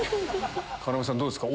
要さんどうですか？